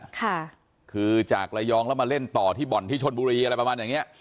ค่ะคือจากระยองแล้วมาเล่นต่อที่บ่อนที่ชนบุรีอะไรประมาณอย่างเนี้ย